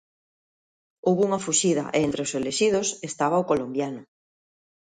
Houbo unha fuxida e entre os elixidos estaba o colombiano.